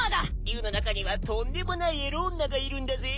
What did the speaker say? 竜の中にはとんでもないエロ女がいるんだぜ。